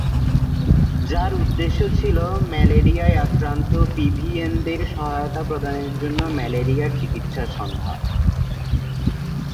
যার উদ্দেশ্যে ছিল ম্যালেরিয়ায় আক্রান্ত পিএভিএন-দের সহায়তা প্রদানের জন্য ম্যালেরিয়ার চিকিৎসা সন্ধান।